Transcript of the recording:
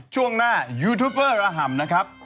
ช่วงหน้ายูทูปเปอร์ระห่ำนะครับ